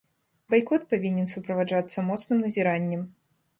Байкот павінен суправаджацца моцным назіраннем.